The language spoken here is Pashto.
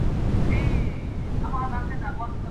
خدایه ستا پر ښکلې مځکه له مقامه ګیله من یم !.